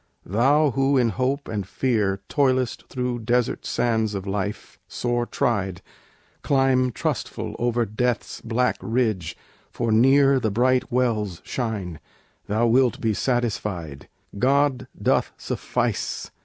thou, who in hope and fear Toilest through desert sands of life, sore tried, Climb trustful over death's black ridge, for near The bright wells shine: thou wilt be satisfied. God doth suffice!